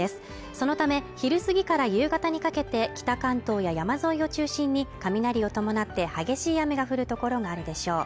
そのため昼過ぎから夕方にかけて北関東や山沿いを中心に雷を伴って激しい雨が降る所があるでしょう